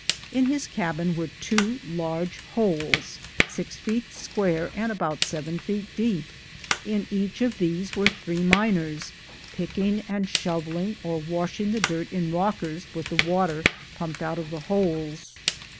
In his cabin were two large holes, six feet square and about seven deep; in each of these were three miners, picking and shovel ing, or washing the dirt in rockers with the water pumped out of the holes.